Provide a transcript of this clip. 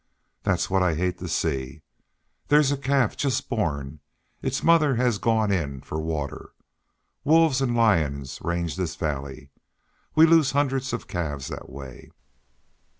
"That's what I hate to see. There's a calf, just born; its mother has gone in for water. Wolves and lions range this valley. We lose hundreds of calves that way."